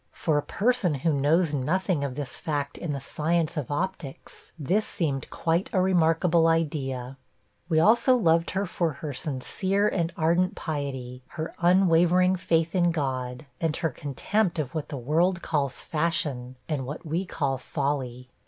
For a person who knows nothing of this fact in the science of optics, this seemed quite a remarkable idea. 'We also loved her for her sincere and ardent piety, her unwavering faith in God, and her contempt of what the world calls fashion, and what we call folly.